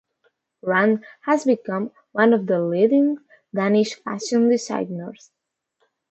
Rand has become one of the leading Danish fashion designers.